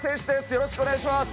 よろしくお願いします。